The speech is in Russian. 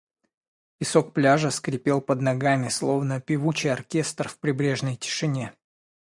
Песок пляжа скрипел под ногами, словно певучий оркестр в прибрежной тишине.